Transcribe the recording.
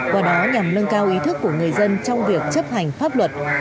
qua đó nhằm nâng cao ý thức của người dân trong việc chấp hành pháp luật